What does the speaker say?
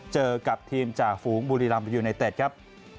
เจอกับทีมจ่าฝูงบุรีรัมยูไนเต็ดครับ